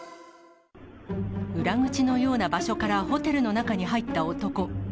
裏口のような場所からホテルの中に入った男。